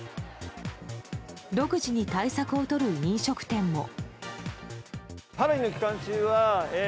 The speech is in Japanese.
独自に対策をとる飲食店も。